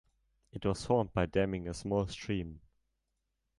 It was formed by damming a small stream.